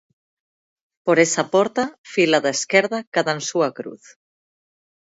Por esa porta, fila da esquerda, cadansúa cruz.